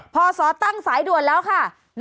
พศตั้งสายด่วนแล้วค่ะ